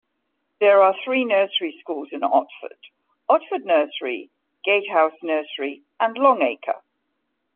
There are three nursery schools in Otford: Otford Nursery, Gatehouse Nursery and Longacre.